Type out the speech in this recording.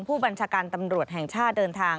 ผู้บัญชาการตำรวจแห่งชาติเดินทาง